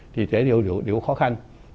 thì thế điều khó khăn